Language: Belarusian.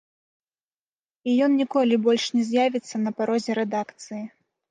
І ён ніколі больш не з'явіцца на парозе рэдакцыі.